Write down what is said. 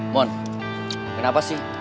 mon kenapa sih